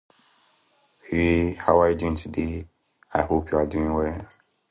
However, this idea posed further questions on the subject of sexuality and lesbianism.